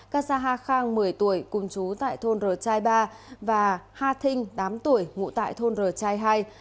kasa ha khang một mươi tuổi cùng chú tại thôn r chai ba và ha thinh tám tuổi ngụ tại thôn r chai hai